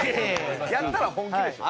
やったら本気でしょ。